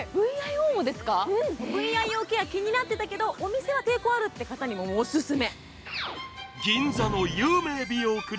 ＶＩＯケア気になってたけど、お店はという方もにもオススメ。